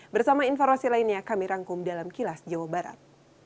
bersama informasi lainnya kami rangkum dalam kilas jawa barat